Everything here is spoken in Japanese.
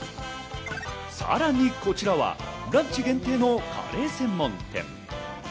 さらにこちらはランチ限定のカレー専門店。